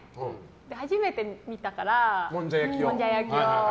初めて見たからもんじゃ焼きを。